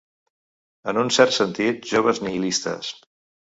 En un cert sentit, joves nihilistes.